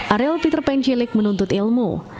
ariel peter pan cilik menuntut ilmu